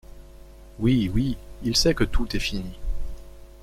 Oui, oui, il sait que tout est fini.